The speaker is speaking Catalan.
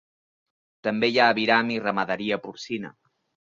També hi ha aviram i ramaderia porcina.